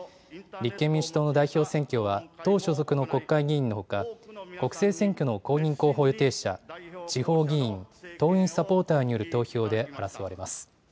立憲民主党の代表選挙は、党所属の国会議員のほか、国政選挙の公認候補予定者、地方議員、党員・サポーターによる投票で争われます。